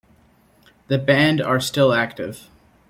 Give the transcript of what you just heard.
The band are still active.